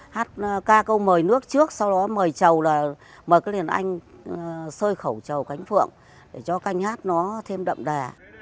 hát ca câu mời nước trước sau đó mời chầu là mời cái liền anh sơi khẩu trầu cánh phượng để cho canh hát nó thêm đậm đà